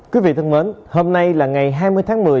quý vị thân mến hôm nay là ngày hai mươi tháng một mươi